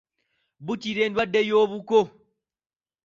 Bukira endwadde y'obuko.